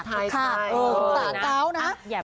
สะเกานะ